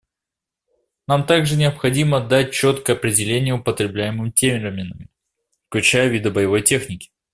Нам также необходимо дать четкое определение употребляемым терминам, включая виды боевой техники.